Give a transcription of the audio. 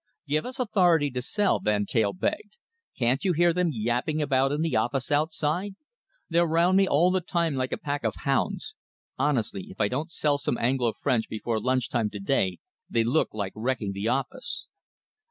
"Give us authority to sell," Van Teyl begged. "Can't you hear them yapping about in the office outside? They're round me all the time like a pack of hounds. Honestly, if I don't sell some Anglo French before lunch time to day, they look like wrecking the office."